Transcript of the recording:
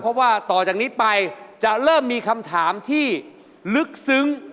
เพราะว่าต่อจากนี้ไปจะเริ่มมีคำถามที่ลึกซึ้ง